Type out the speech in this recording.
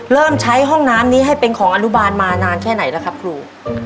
เริ่มใช้ห้องน้ำนี้ให้เป็นของอนุบาลมานานแค่ไหนแล้วครับครู